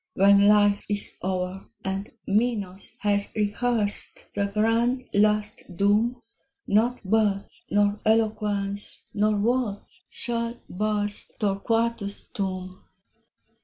When life is o'er, and Minos has rehearsed The grand last doom, Not birth, nor eloquence, nor worth, shall burst Torquatus' tomb.